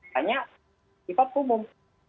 hanya tipe umum